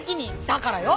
だからよ。